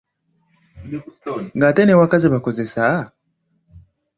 Ng'ate n’ewaka zebakozesa?